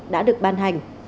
đã được ban hành